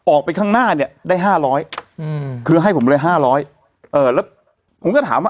ออกไปข้างหน้าเนี่ยได้ห้าร้อยอืมคือให้ผมเลยห้าร้อยเออแล้วผมก็ถามว่า